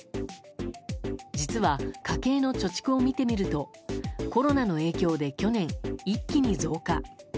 実は、家計の貯蓄を見てみるとコロナの影響で去年、一気に増加。